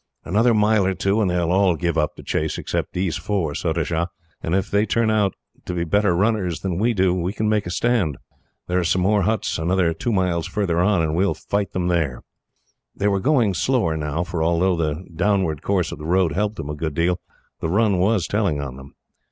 "Another mile or two, and they will all give up the chase except these four, Surajah, and if they turn out better runners than we do, we can make a stand. There are some more huts another two miles farther, and we will fight them there." They were going slower now, for although the downward course of the road helped them a good deal, the run was telling on them.